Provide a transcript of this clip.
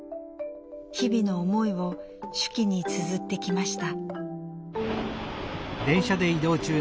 日々の思いを手記につづってきました。